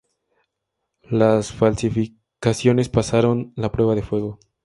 Las falsificaciones pasaron la prueba de fuego.